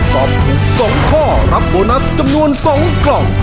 ตอบถูก๒ข้อรับโบนัสจำนวน๒กล่อง